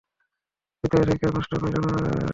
ভিতর থেইক্কা নষ্ট, কইরা দেয় মানুষকে।